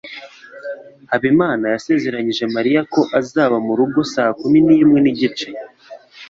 Habimana yasezeranyije Mariya ko azaba mu rugo saa kumi nimwe nigice.